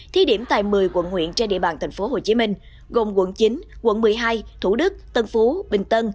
thi điểm tại một mươi quận huyện trên địa bàn tp hcm gồm quận chín quận một mươi hai thủ đức tân phú bình tân